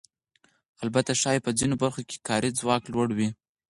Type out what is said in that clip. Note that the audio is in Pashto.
البته ښایي په ځینو برخو کې کاري ځواک لوړ وي